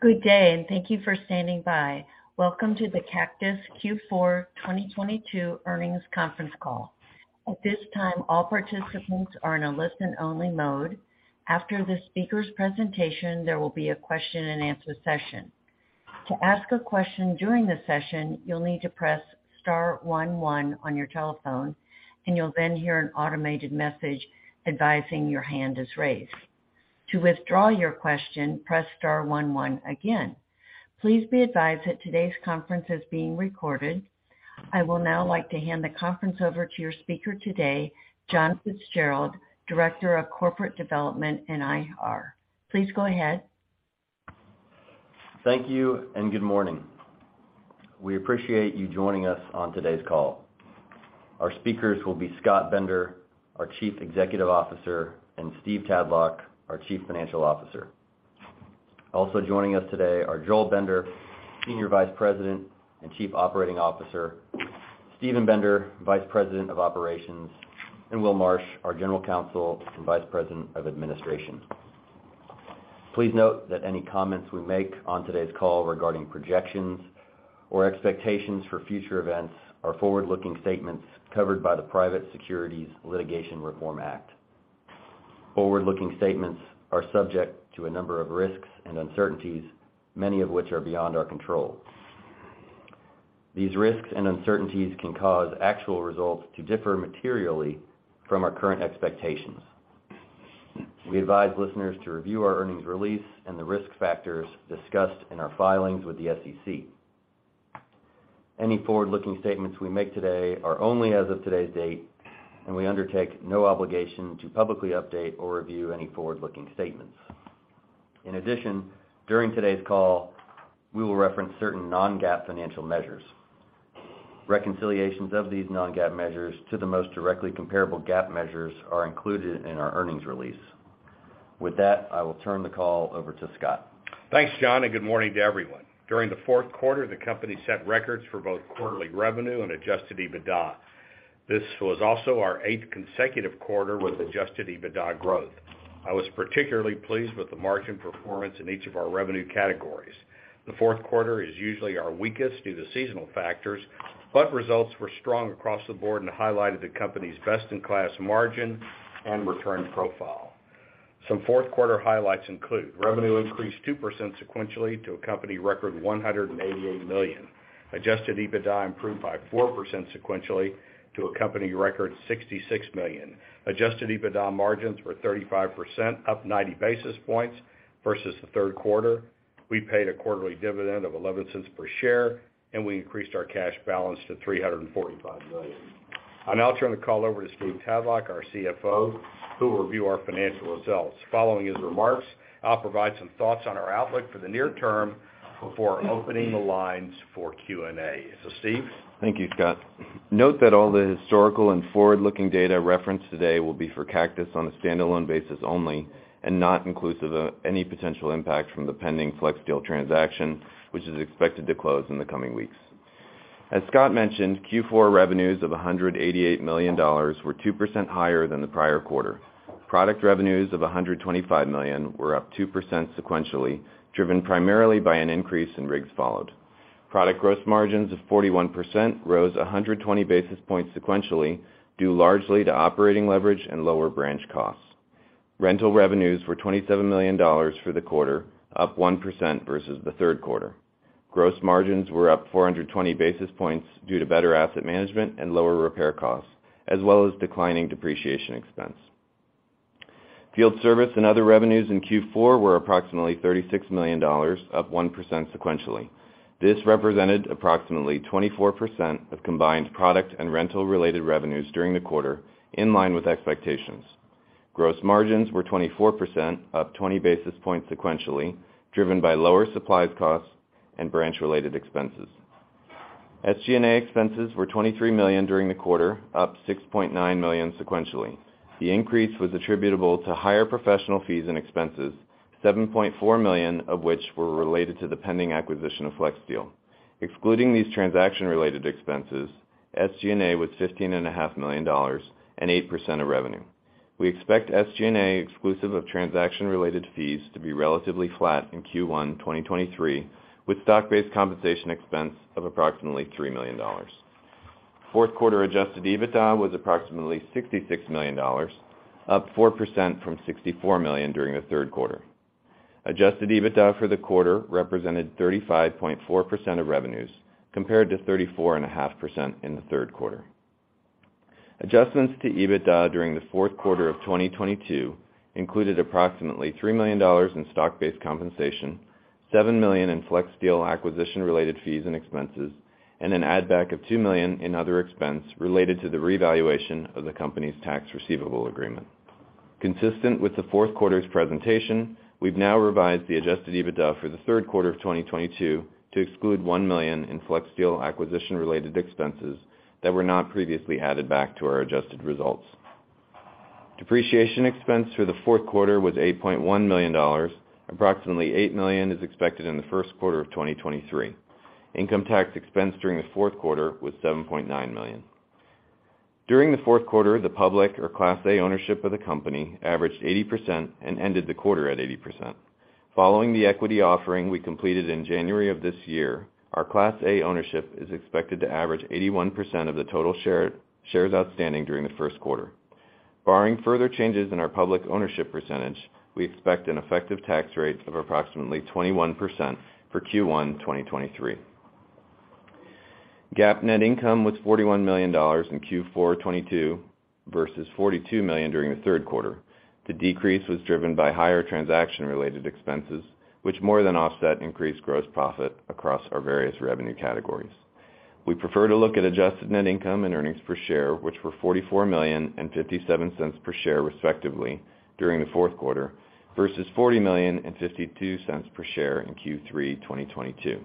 Good day, and thank you for standing by. Welcome to the Cactus Q4 2022 earnings conference call. At this time, all participants are in a listen only mode. After the speaker's presentation, there will be a question and answer session. To ask a question during the session, you will need to press star one one on your telephone, and you will then hear an automated message advising your hand is raised. To withdraw your question, press star one one again. Please be advised that today's conference is being recorded. I will now like to hand the conference over to your speaker today, John Fitzgerald, Director of Corporate Development and IR. Please go ahead. Thank you, and good morning. We appreciate you joining us on today's call. Our speakers will be Scott Bender, our Chief Executive Officer, and Steve Tadlock, our Chief Financial Officer. Also joining us today are Joel Bender, Senior Vice President and Chief Operating Officer, Steven Bender, Vice President of Operations, and Will Marsh, our General Counsel and Vice President of Administration. Please note that any comments we make on today's call regarding projections or expectations for future events are forward-looking statements covered by the Private Securities Litigation Reform Act. Forward-looking statements are subject to a number of risks and uncertainties, many of which are beyond our control. These risks and uncertainties can cause actual results to differ materially from our current expectations. We advise listeners to review our earnings release and the risk factors discussed in our filings with the SEC. Any forward-looking statements we make today are only as of today's date, and we undertake no obligation to publicly update or review any forward-looking statements. In addition, during today's call, we will reference certain non-GAAP financial measures. Reconciliations of these non-GAAP measures to the most directly comparable GAAP measures are included in our earnings release. With that, I will turn the call over to Scott. Thanks, John. Good morning to everyone. During the fourth quarter, the company set records for both quarterly revenue and adjusted EBITDA. This was also our eighth consecutive quarter with adjusted EBITDA growth. I was particularly pleased with the margin performance in each of our revenue categories. The fourth quarter is usually our weakest due to seasonal factors. Results were strong across the board and highlighted the company's best in class margin and return profile. Some fourth quarter highlights include revenue increased 2% sequentially to a company record $188 million. Adjusted EBITDA improved by 4% sequentially to a company record $66 million. Adjusted EBITDA margins were 35%, up 90 basis points versus the third quarter. We paid a quarterly dividend of $0.11 per share. We increased our cash balance to $345 million. I'll now turn the call over to Steve Tadlock, our CFO, who will review our financial results. Following his remarks, I'll provide some thoughts on our outlook for the near term before opening the lines for Q&A. Steve? Thank you, Scott. Note that all the historical and forward-looking data referenced today will be for Cactus on a standalone basis only and not inclusive of any potential impact from the pending FlexSteel transaction, which is expected to close in the coming weeks. As Scott mentioned, Q4 revenues of $188 million were 2% higher than the prior quarter. Product revenues of $125 million were up 2% sequentially, driven primarily by an increase in rigs followed. Product gross margins of 41% rose 120 basis points sequentially, due largely to operating leverage and lower branch costs. Rental revenues were $27 million for the quarter, up 1% versus the third quarter. Gross margins were up 420 basis points due to better asset management and lower repair costs, as well as declining depreciation expense. Field service and other revenues in Q4 were approximately $36 million, up 1% sequentially. This represented approximately 24% of combined product and rental-related revenues during the quarter, in line with expectations. Gross margins were 24%, up 20 basis points sequentially, driven by lower supplies costs and branch-related expenses. SG&A expenses were $23 million during the quarter, up $6.9 million sequentially. The increase was attributable to higher professional fees and expenses, $7.4 million of which were related to the pending acquisition of FlexSteel. Excluding these transaction-related expenses, SG&A was $15.5 million and 8% of revenue. We expect SG&A exclusive of transaction-related fees to be relatively flat in Q1 2023, with stock-based compensation expense of approximately $3 million. Fourth quarter adjusted EBITDA was approximately $66 million, up 4% from $64 million during the third quarter. Adjusted EBITDA for the quarter represented 35.4% of revenues compared to 34.5% in the third quarter. Adjustments to EBITDA during the fourth quarter of 2022 included approximately $3 million in stock-based compensation, $7 million in FlexSteel acquisition-related fees and expenses, and an add back of $2 million in other expense related to the revaluation of the company's Tax Receivable Agreement. Consistent with the fourth quarter's presentation, we've now revised the adjusted EBITDA for the third quarter of 2022 to exclude $1 million in FlexSteel acquisition-related expenses that were not previously added back to our adjusted results. Depreciation expense for the fourth quarter was $8.1 million. Approximately $8 million is expected in the first quarter of 2023. Income tax expense during the fourth quarter was $7.9 million. During the fourth quarter, the public or Class A ownership of the company averaged 80% and ended the quarter at 80%. Following the equity offering we completed in January of this year, our Class A ownership is expected to average 81% of the total shares outstanding during the first quarter. Barring further changes in our public ownership percentage, we expect an effective tax rate of approximately 21% for Q1 2023. GAAP net income was $41 million in Q4 2022 versus $42 million during the third quarter. The decrease was driven by higher transaction-related expenses, which more than offset increased gross profit across our various revenue categories. We prefer to look at adjusted net income and earnings per share, which were $44 million and $0.57 per share, respectively, during the fourth quarter versus $40 million and $0.52 per share in Q3 2022.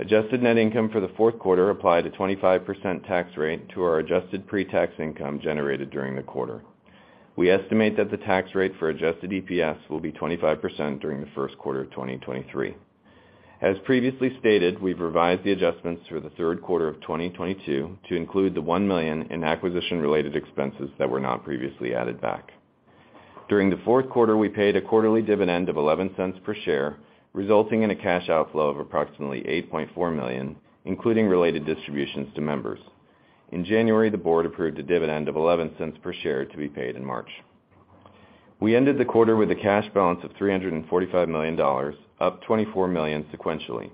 Adjusted net income for the fourth quarter applied a 25% tax rate to our adjusted pre-tax income generated during the quarter. We estimate that the tax rate for adjusted EPS will be 25% during the first quarter of 2023. As previously stated, we've revised the adjustments for the third quarter of 2022 to include the $1 million in acquisition-related expenses that were not previously added back. During the fourth quarter, we paid a quarterly dividend of $0.11 per share, resulting in a cash outflow of approximately $8.4 million, including related distributions to members. In January, the board approved a dividend of $0.11 per share to be paid in March. We ended the quarter with a cash balance of $345 million, up $24 million sequentially.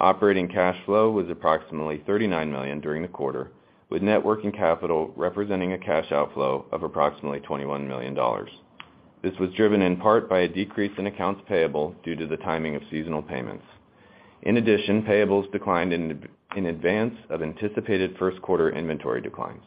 Operating cash flow was approximately $39 million during the quarter, with net working capital representing a cash outflow of approximately $21 million. This was driven in part by a decrease in accounts payable due to the timing of seasonal payments. In addition, payables declined in advance of anticipated first quarter inventory declines.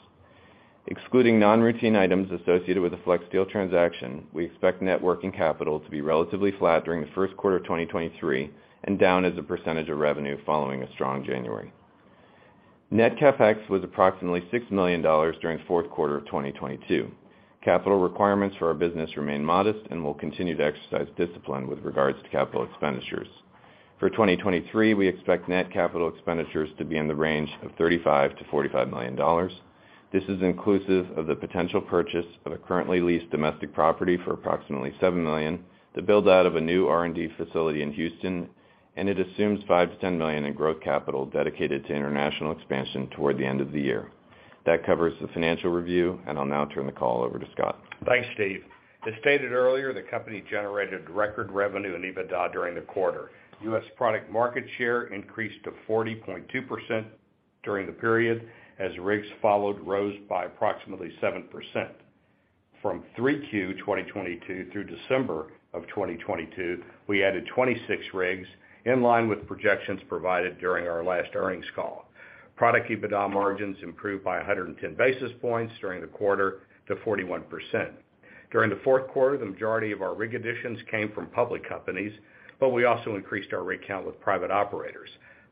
Excluding non-routine items associated with the FlexSteel transaction, we expect net working capital to be relatively flat during the first quarter of 2023 and down as a percentage of revenue following a strong January. Net CapEx was approximately $6 million during the fourth quarter of 2022. Capital requirements for our business remain modest and will continue to exercise discipline with regards to CapEx. For 2023, we expect net CapEx to be in the range of $35 million-$45 million. This is inclusive of the potential purchase of a currently leased domestic property for approximately $7 million to build out of a new R&D facility in Houston, and it assumes $5 million-$10 million in growth capital dedicated to international expansion toward the end of the year. That covers the financial review, and I'll now turn the call over to Scott. Thanks, Steve. As stated earlier, the company generated record revenue in EBITDA during the quarter. U.S. product market share increased to 40.2% during the period as rigs followed rose by approximately 7%. From 3Q 2022 through December of 2022, we added 26 rigs in line with projections provided during our last earnings call. Product EBITDA margins improved by 110 basis points during the quarter to 41%. During the fourth quarter, the majority of our rig additions came from public companies, but we also increased our rig count with private operators.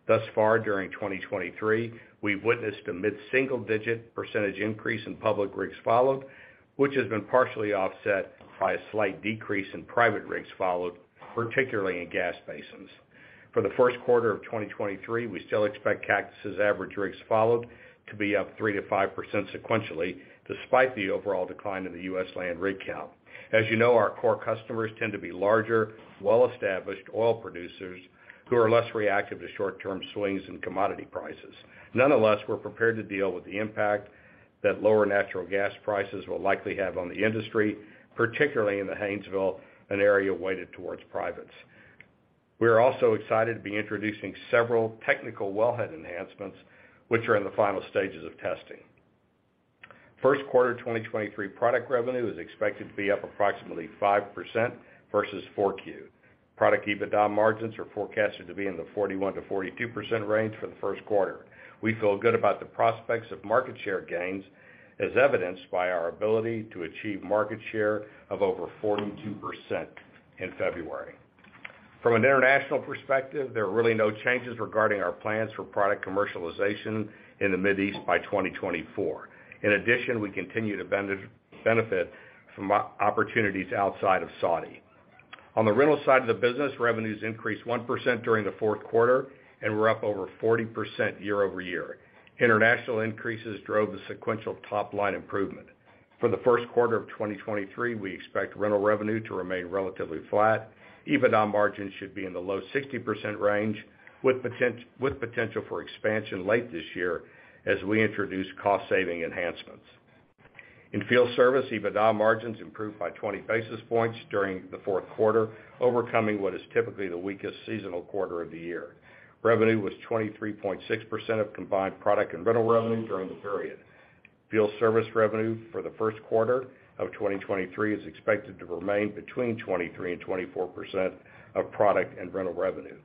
Thus far during 2023, we've witnessed a mid-single-digit percentage increase in public rigs followed, which has been partially offset by a slight decrease in private rigs followed, particularly in gas basins. For the first quarter of 2023, we still expect Cactus' average rigs followed to be up 3%-5% sequentially, despite the overall decline in the U.S. land rig count. As you know, our core customers tend to be larger, well-established oil producers who are less reactive to short-term swings in commodity prices. Nonetheless, we're prepared to deal with the impact that lower natural gas prices will likely have on the industry, particularly in the Haynesville, an area weighted towards privates. We are also excited to be introducing several technical wellhead enhancements, which are in the final stages of testing. First quarter 2023 product revenue is expected to be up approximately 5% versus 4Q. Product EBITDA margins are forecasted to be in the 41%-42% range for the first quarter. We feel good about the prospects of market share gains as evidenced by our ability to achieve market share of over 42% in February. From an international perspective, there are really no changes regarding our plans for product commercialization in the Mid East by 2024. In addition, we continue to benefit from opportunities outside of Saudi. On the rental side of the business, revenues increased 1% during the fourth quarter and were up over 40% year-over-year. International increases drove the sequential top line improvement. For the first quarter of 2023, we expect rental revenue to remain relatively flat. EBITDA margins should be in the low 60% range with potential for expansion late this year as we introduce cost-saving enhancements. In field service, EBITDA margins improved by 20 basis points during the fourth quarter, overcoming what is typically the weakest seasonal quarter of the year. Revenue was 23.6% of combined product and rental revenue during the period. Field service revenue for the first quarter of 2023 is expected to remain between 23%-24% of product and rental revenue.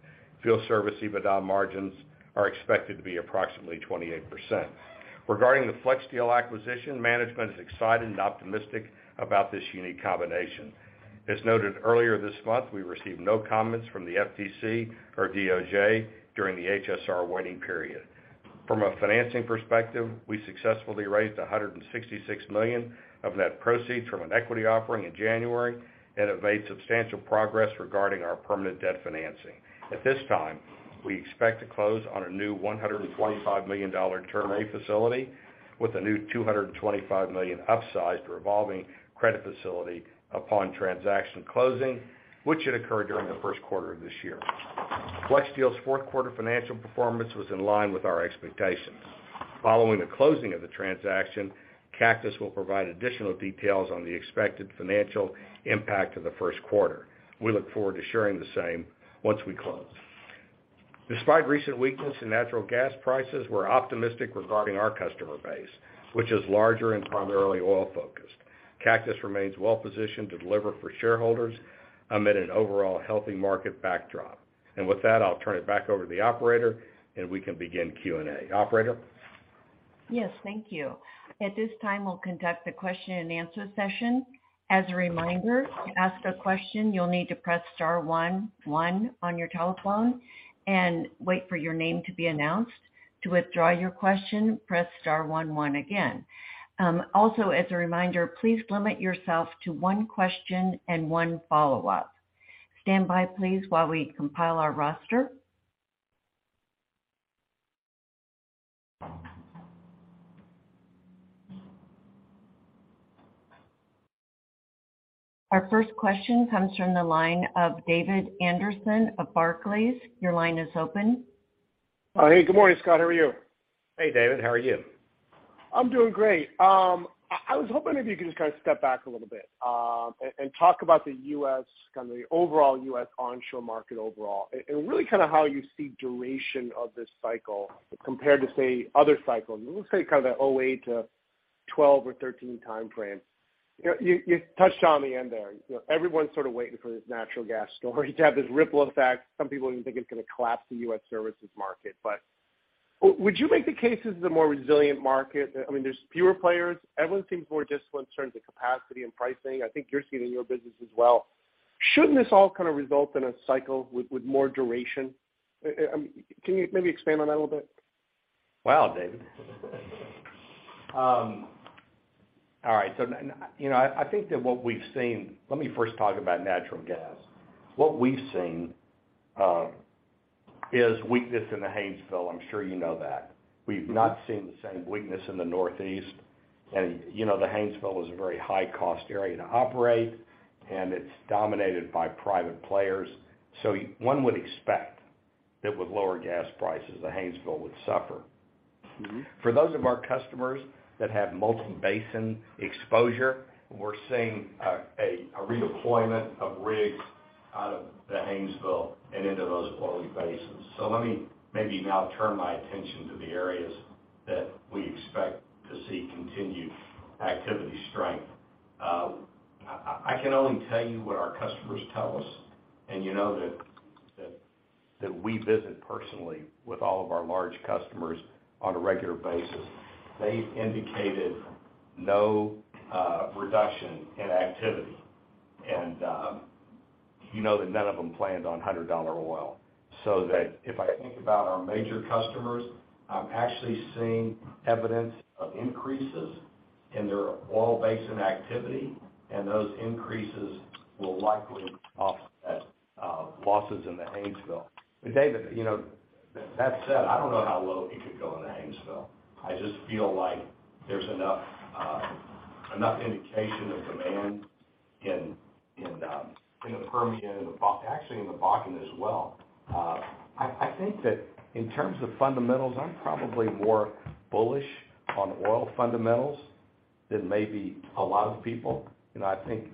Field service EBITDA margins are expected to be approximately 28%. Regarding the FlexSteel acquisition, management is excited and optimistic about this unique combination. As noted earlier this month, we received no comments from the FTC or DOJ during the HSR waiting period. From a financing perspective, we successfully raised $166 million of net proceeds from an equity offering in January and have made substantial progress regarding our permanent debt financing. At this time, we expect to close on a new $125 million Term Loan A facility with a new $225 million upsized revolving credit facility upon transaction closing, which should occur during the first quarter of this year. FlexSteel's fourth quarter financial performance was in line with our expectations. Following the closing of the transaction, Cactus will provide additional details on the expected financial impact of the first quarter. We look forward to sharing the same once we close. Despite recent weakness in natural gas prices, we're optimistic regarding our customer base, which is larger and primarily oil-focused. Cactus remains well-positioned to deliver for shareholders amid an overall healthy market backdrop. With that, I'll turn it back over to the operator and we can begin Q&A. Operator? Yes, thank you. At this time, we'll conduct a question and answer session. As a reminder, to ask a question, you'll need to press star one one on your telephone and wait for your name to be announced. To withdraw your question, press star one one again. Also as a reminder, please limit yourself to one question and one follow-up. Stand by, please, while we compile our roster. Our first question comes from the line of David Anderson of Barclays. Your line is open. Hey, good morning, Scott. How are you? Hey, David. How are you? I'm doing great. I was hoping if you could just kind of step back a little bit, and talk about the U.S., kind of the overall U.S. onshore market overall, and really kind of how you see duration of this cycle compared to, say, other cycles. Let's say kind of the 2008 to 2012 or 2013 timeframe. You touched on the end there. You know, everyone's sort of waiting for this natural gas story to have this ripple effect. Some people even think it's gonna collapse the U.S. services market. Would you make the case this is a more resilient market? I mean, there's fewer players. Everyone seems more disciplined in terms of capacity and pricing. I think you're seeing it in your business as well. Shouldn't this all kind of result in a cycle with more duration? Can you maybe expand on that a little bit? Wow, David. All right. you know, I think that what we've seen. Let me first talk about natural gas. What we've seen is weakness in the Haynesville. I'm sure you know that. We've not seen the same weakness in the Northeast. you know, the Haynesville is a very high-cost area to operate, and it's dominated by private players. One would expect that with lower gas prices, the Haynesville would suffer. Mm-hmm. For those of our customers that have multiple basin exposure, we're seeing a redeployment of rigs out of the Haynesville and into those oily basins. Let me maybe now turn my attention to the areas that we expect to see continued activity strength. I can only tell you what our customers tell us, and you know that we visit personally with all of our large customers on a regular basis. They've indicated no reduction in activity. You know that none of them planned on $100 oil. That if I think about our major customers, I'm actually seeing evidence of increases in their oil basin activity, and those increases will likely offset losses in the Haynesville. David, you know, that said, I don't know how low it could go in the Haynesville. I just feel like there's enough indication of demand in, in the Permian and actually in the Bakken as well. I think that in terms of fundamentals, I'm probably more bullish on oil fundamentals than maybe a lot of people. You know, I think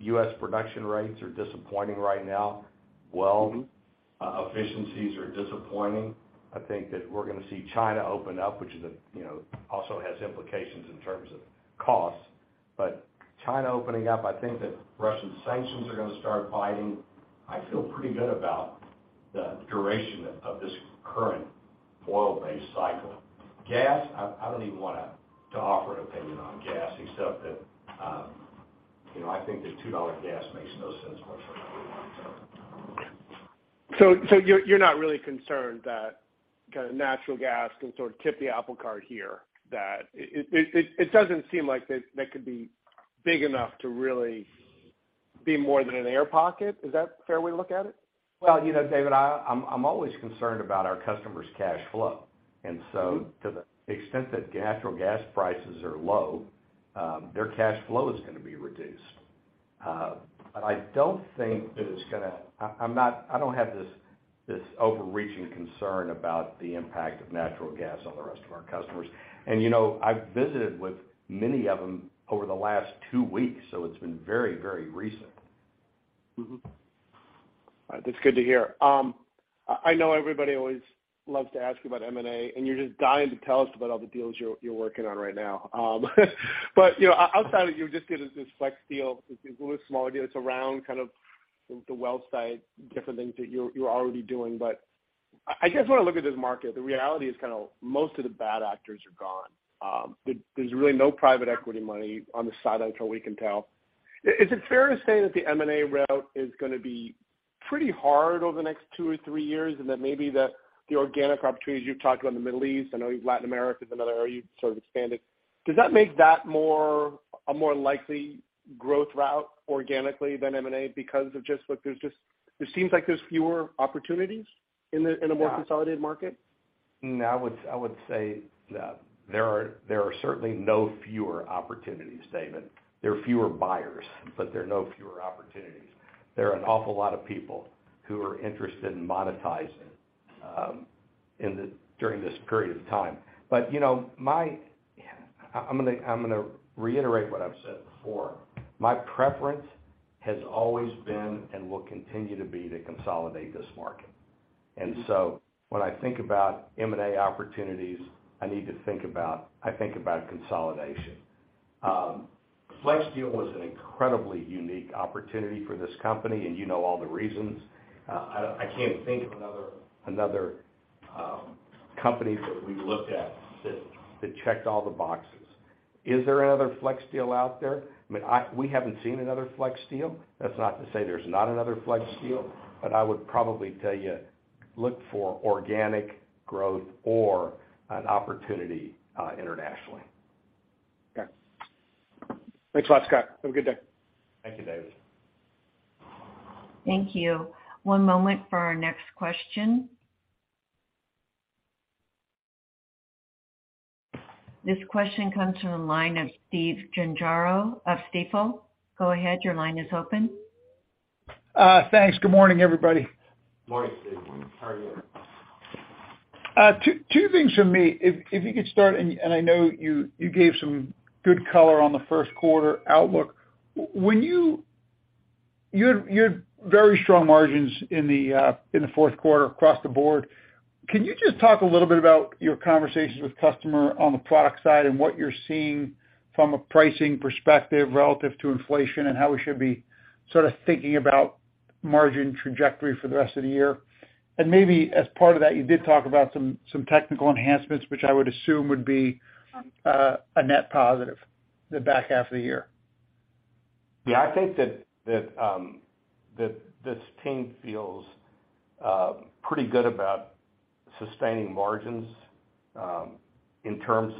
U.S. production rates are disappointing right now. Well, efficiencies are disappointing. I think that we're gonna see China open up, which is, you know, also has implications in terms of costs. But China opening up, I think that Russian sanctions are gonna start biting. I feel pretty good about the duration of this current oil-based cycle. Gas, I don't even to offer an opinion on gas except that, you know, I think that $2 gas makes no sense whatsoever. You're not really concerned that kind of natural gas can sort of tip the apple cart here, that it doesn't seem like that could be big enough to really be more than an air pocket. Is that a fair way to look at it? Well, you know, David, I'm always concerned about our customers' cash flow. To the extent that natural gas prices are low, their cash flow is gonna be reduced. I don't think that it's gonna. I don't have this overreaching concern about the impact of natural gas on the rest of our customers. You know, I've visited with many of them over the last two weeks, so it's been very recent. All right. That's good to hear. I know everybody always loves to ask you about M&A, you're just dying to tell us about all the deals you're working on right now. you know, outside of you just getting this FlexSteel, it's a really small idea that's around kind of the well site, different things that you're already doing. I just wanna look at this market. The reality is kinda most of the bad actors are gone. there's really no private equity money on the sidelines from what we can tell. Is it fair to say that the M&A route is gonna be Pretty hard over the next two or three years, and that maybe the organic opportunities you've talked about in the Middle East, I know Latin America is another area you've sort of expanded. Does that make that a more likely growth route organically than M&A because of just like it seems like there's fewer opportunities in a more consolidated market? No, I would, I would say that there are, there are certainly no fewer opportunities, David. There are fewer buyers, but there are no fewer opportunities. There are an awful lot of people who are interested in monetizing during this period of time. You know, I'm gonna reiterate what I've said before. My preference has always been and will continue to be to consolidate this market. When I think about M&A opportunities, I think about consolidation. FlexSteel was an incredibly unique opportunity for this company, and you know all the reasons. I can't think of another company that we've looked at that checked all the boxes. Is there another FlexSteel out there? I mean, we haven't seen another FlexSteel. That's not to say there's not another FlexSteel, but I would probably tell you, look for organic growth or an opportunity, internationally. Okay. Thanks a lot, Scott. Have a good day. Thank you, David. Thank you. One moment for our next question. This question comes from the line of Stephen Gengaro of Stifel. Go ahead, your line is open. Thanks. Good morning, everybody. Morning, Steve. How are you? Two things from me. If you could start, and I know you gave some good color on the first quarter outlook. When you had, you had very strong margins in the fourth quarter across the board. Can you just talk a little bit about your conversations with customer on the product side and what you're seeing from a pricing perspective relative to inflation and how we should be sort of thinking about margin trajectory for the rest of the year? Maybe as part of that, you did talk about some technical enhancements, which I would assume would be a net positive the back half of the year. Yeah, I think that this team feels pretty good about sustaining margins, in terms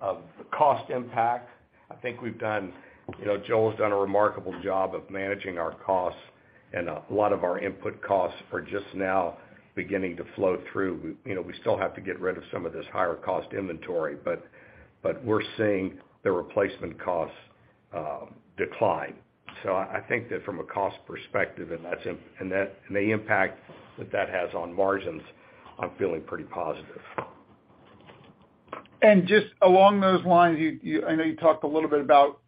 of the cost impact. I think we've done, you know, Joel has done a remarkable job of managing our costs, and a lot of our input costs are just now beginning to flow through. We, you know, we still have to get rid of some of this higher cost inventory, but we're seeing the replacement costs decline. I think that from a cost perspective, and the impact that has on margins, I'm feeling pretty positive. Just along those lines, you, I know you talked a little bit about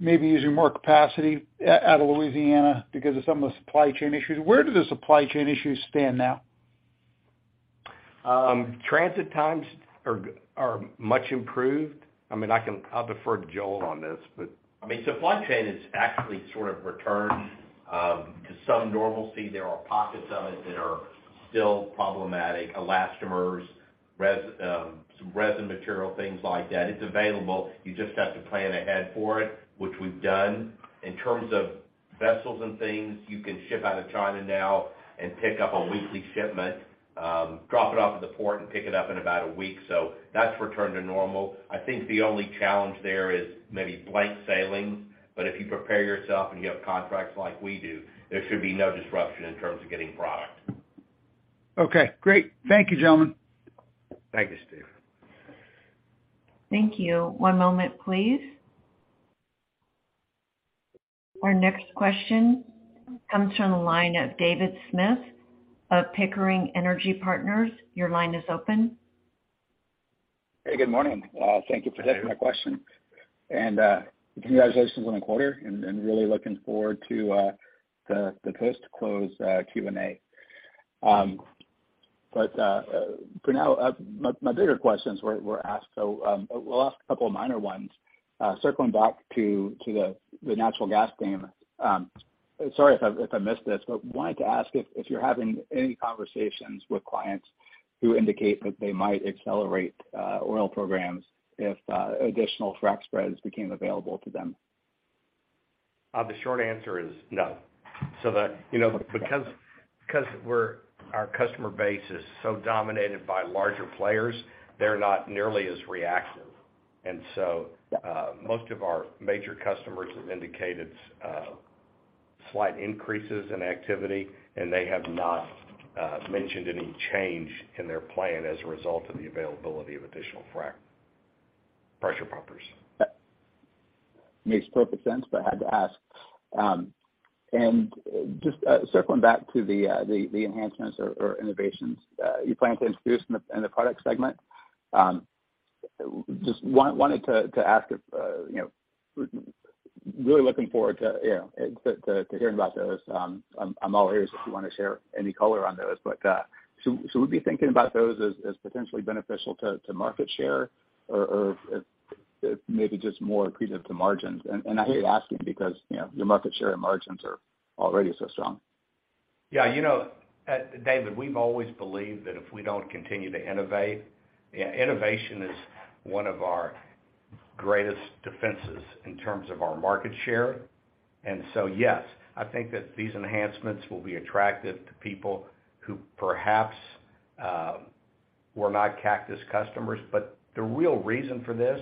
maybe using more capacity out of Louisiana because of some of the supply chain issues. Where do the supply chain issues stand now? Transit times are much improved. I mean, I'll defer to Joel on this, but. I mean, supply chain is actually sort of returned to some normalcy. There are pockets of it that are still problematic. Elastomers, some resin material, things like that. It's available, you just have to plan ahead for it, which we've done. In terms of vessels and things, you can ship out of China now and pick up a weekly shipment, drop it off at the port and pick it up in about a week. That's returned to normal. I think the only challenge there is maybe blank sailing. If you prepare yourself and you have contracts like we do, there should be no disruption in terms of getting product. Okay, great. Thank you, gentlemen. Thank you, Steve. Thank you. One moment, please. Our next question comes from the line of David Smith of Pickering Energy Partners. Your line is open. Hey, good morning. Thank you for taking my question. Congratulations on the quarter and really looking forward to the post-close Q&A. For now, my bigger questions were asked, we'll ask a couple of minor ones. Circling back to the natural gas team. Sorry if I missed this, but wanted to ask if you're having any conversations with clients who indicate that they might accelerate oil programs if additional frac spreads became available to them. The short answer is no. The, you know, because we're our customer base is so dominated by larger players, they're not nearly as reactive. Most of our major customers have indicated slight increases in activity, and they have not mentioned any change in their plan as a result of the availability of additional frac pressure pumpers. Makes perfect sense, but I had to ask. Just circling back to the enhancements or innovations you plan to introduce in the product segment. Just wanted to ask if you know, really looking forward to you know, to hearing about those. I'm all ears if you wanna share any color on those. Should we be thinking about those as potentially beneficial to market share or maybe just more accretive to margins? I hate asking because, you know, your market share and margins are already so strong. You know, David, we've always believed that if we don't continue to innovate, innovation is one of our greatest defenses in terms of our market share. Yes, I think that these enhancements will be attractive to people who perhaps were not Cactus customers. The real reason for this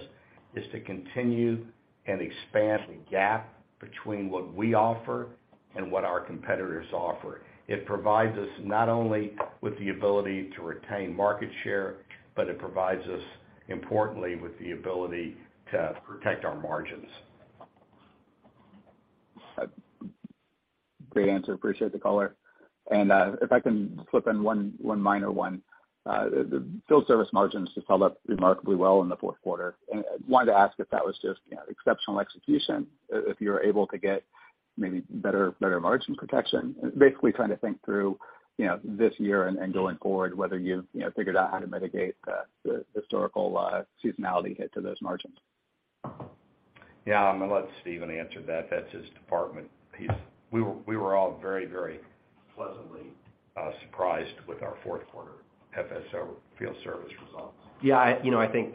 is to continue and expand the gap between what we offer and what our competitors offer. It provides us not only with the ability to retain market share, but it provides us, importantly, with the ability to protect our margins. Great answer. Appreciate the color. If I can slip in one minor one. The field service margins just held up remarkably well in the fourth quarter. I wanted to ask if that was just, you know, exceptional execution, if you're able to get maybe better margin protection. Basically, trying to think through, you know, this year and going forward, whether you know, figured out how to mitigate the historical seasonality hit to those margins? Yeah. I'm gonna let Steven answer that. That's his department. We were all very pleasantly surprised with our fourth quarter FSO field service results. Yeah, you know, I think,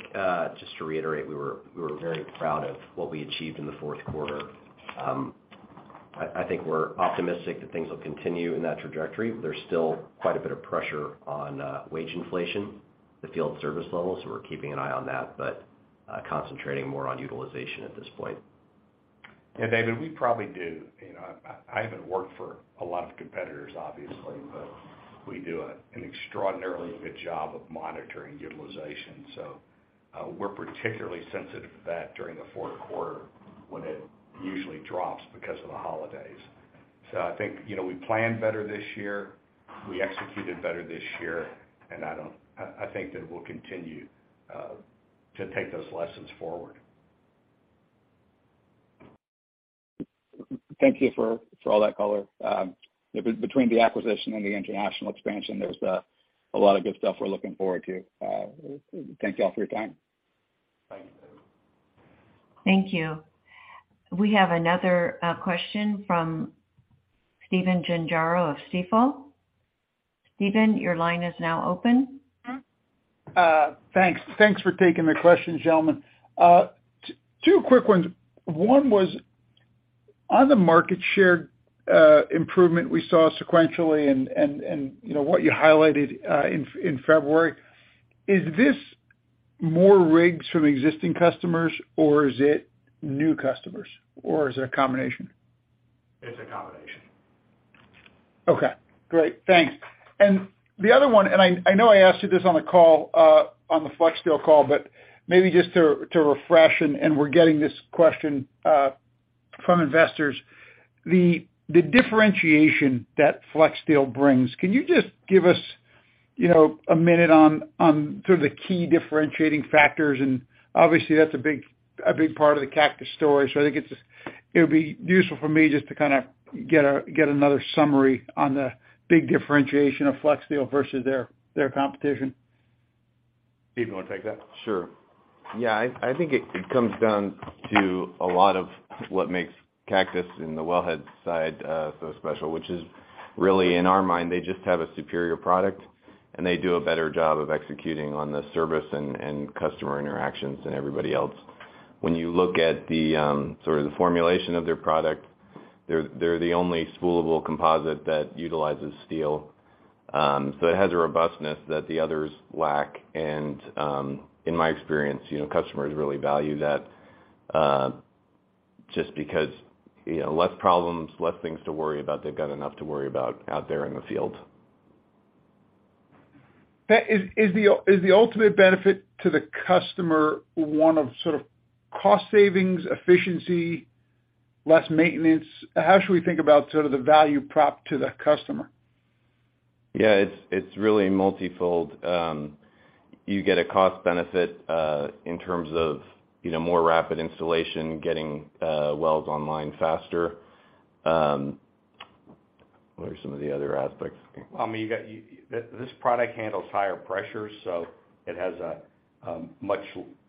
just to reiterate, we were very proud of what we achieved in the fourth quarter. I think we're optimistic that things will continue in that trajectory. There's still quite a bit of pressure on wage inflation, the field service level, so we're keeping an eye on that. Concentrating more on utilization at this point. Yeah, David, we probably do. You know, I haven't worked for a lot of competitors, obviously, but we do an extraordinarily good job of monitoring utilization. We're particularly sensitive to that during the fourth quarter when it usually drops because of the holidays. I think, you know, we planned better this year, we executed better this year, and I think that we'll continue to take those lessons forward. Thank you for all that color. Between the acquisition and the international expansion, there's a lot of good stuff we're looking forward to. Thank you all for your time. Thank you, David. Thank you. We have another question from Stephen Gengaro of Stifel. Stephen, your line is now open. Thanks. Thanks for taking the question, gentlemen. Two quick ones. One was on the market share improvement we saw sequentially and, you know, what you highlighted in February. Is this more rigs from existing customers, or is it new customers, or is it a combination? It's a combination. Okay, great. Thanks. The other one, I know I asked you this on the call, on the FlexSteel call, but maybe just to refresh, and we're getting this question from investors. The differentiation that FlexSteel brings, can you just give us, you know, a minute on sort of the key differentiating factors? Obviously that's a big part of the Cactus story. I think it would be useful for me just to kind of get another summary on the big differentiation of FlexSteel versus their competition. Steve, you wanna take that? Sure. Yeah, I think it comes down to a lot of what makes Cactus in the wellhead side so special, which is really in our mind, they just have a superior product, and they do a better job of executing on the service and customer interactions than everybody else. When you look at the sort of the formulation of their product, they're the only spoolable composite that utilizes steel. It has a robustness that the others lack. In my experience, you know, customers really value that just because, you know, less problems, less things to worry about. They've got enough to worry about out there in the field. Is the ultimate benefit to the customer one of sort of cost savings, efficiency, less maintenance? How should we think about sort of the value prop to the customer? Yeah, it's really multifold. You get a cost benefit, in terms of, you know, more rapid installation, getting wells online faster. What are some of the other aspects? I mean, this product handles higher pressures, so it has a much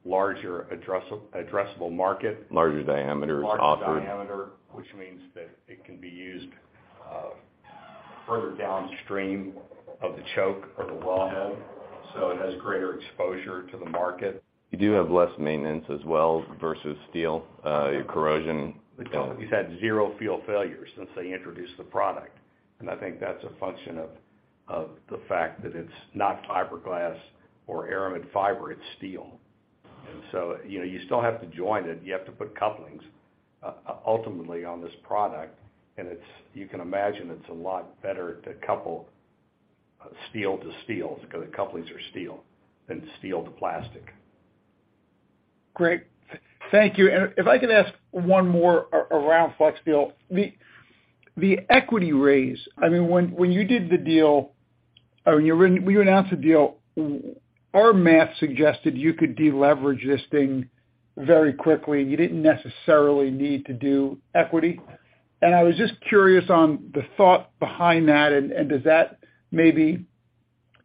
larger addressable market. Larger diameters offered. Larger diameter, which means that it can be used, further downstream of the choke of the wellhead, so it has greater exposure to the market. You do have less maintenance as well versus steel, corrosion. We've had 0 field failures since they introduced the product, and I think that's a function of the fact that it's not fiberglass or aramid fiber, it's steel. You know, you still have to join it. You have to put couplings ultimately on this product. It's, you can imagine it's a lot better to couple steel to steel because the couplings are steel than steel to plastic. Great. Thank you. If I could ask one more around FlexSteel. The equity raise. I mean, when you did the deal, or when you announced the deal, our math suggested you could deleverage this thing very quickly, and you didn't necessarily need to do equity. I was just curious on the thought behind that. Does that maybe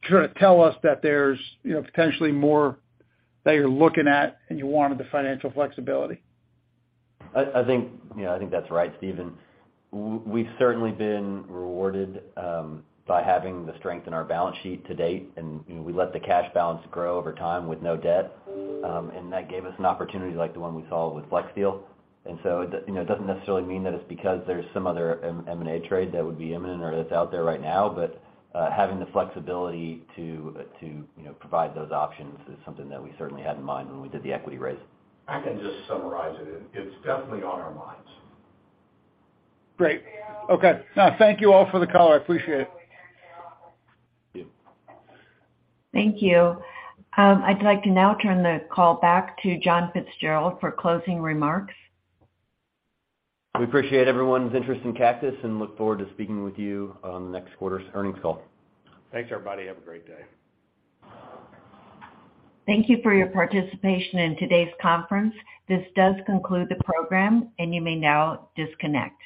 sort of tell us that there's, you know, potentially more that you're looking at and you wanted the financial flexibility? I think, you know, I think that's right, Steven. We've certainly been rewarded by having the strength in our balance sheet to date. You know, we let the cash balance grow over time with no debt. That gave us an opportunity like the one we saw with FlexSteel. You know, it doesn't necessarily mean that it's because there's some other M&A trade that would be imminent or that's out there right now. Having the flexibility to, you know, provide those options is something that we certainly had in mind when we did the equity raise. I can just summarize it. It's definitely on our minds. Great. Okay. No, thank you all for the call. I appreciate it. Thank you. Thank you. I'd like to now turn the call back to John Fitzgerald for closing remarks. We appreciate everyone's interest in Cactus and look forward to speaking with you on the next quarter's earnings call. Thanks, everybody. Have a great day. Thank you for your participation in today's conference. This does conclude the program. You may now disconnect.